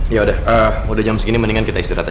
ya udah jam segini mendingan kita istirahat aja